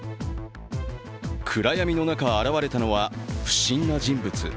暗闇の中現れたのは、不審な人物。